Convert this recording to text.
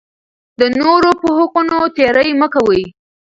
د نورو په حقونو تېری مه کوئ.